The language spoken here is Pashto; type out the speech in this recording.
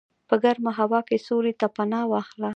په ګرمه هوا کې سیوري ته پناه واخله.